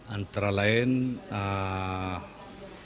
antara lain pengguna